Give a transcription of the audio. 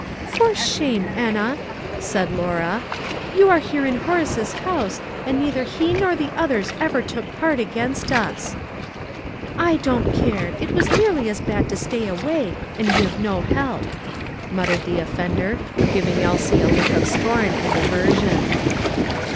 "For shame, Enna!" said Lora; "you are here in Horace's house, and neither he nor the others ever took part against us." "I don't care, it was nearly as bad to stay away and give no help," muttered the offender, giving Elsie a look of scorn and aversion.